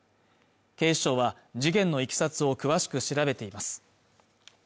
警視庁は事件のいきさつを詳しく調べています